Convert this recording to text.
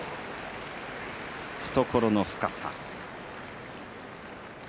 懐の深さ。